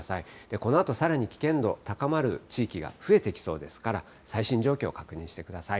このあとさらに危険度、高まる地域が増えてきそうですから、最新状況を確認してください。